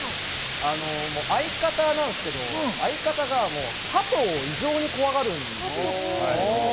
相方なんですけど、相方が鳩を異常に怖がるんです。